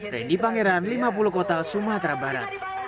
randy pangeran lima puluh kota sumatera barat